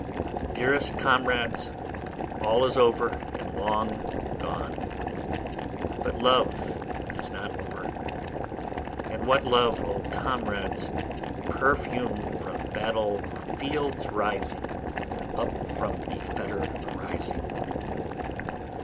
Dearest comrades, all is over and long gone, But love is not over and what love, O comrades! Perfume from battle fields rising, up from the foetor arising.